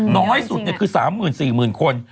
น้อยสุดคือ๓๔หมื่นคน